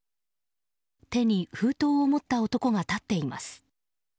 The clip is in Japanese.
手に封筒を持った男が立っています。